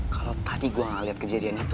kalo tadi gue gak liat kejadian itu